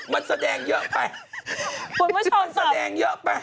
มันแสดงเยอะไป